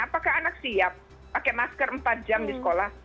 apakah anak siap pakai masker empat jam di sekolah